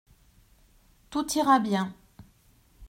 Tout ira bien.